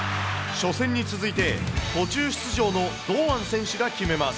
初戦に続いて、途中出場の堂安選手が決めます。